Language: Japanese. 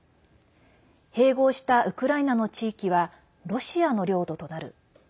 併合したウクライナの地域はロシアの領土となる。